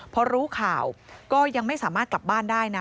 พอรู้ข่าวก็ยังไม่สามารถกลับบ้านได้นะ